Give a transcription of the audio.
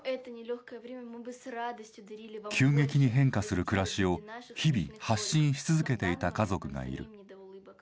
急激に変化する暮らしを日々、発信し続けていた家族がいる。